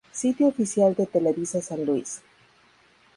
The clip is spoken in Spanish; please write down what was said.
Sitio oficial de Televisa San Luis